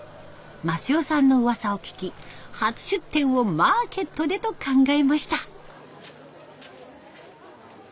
益代さんのうわさを聞き初出店をマーケットでと考えました。